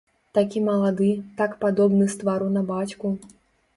Такі малады, так падобны з твару на бацьку.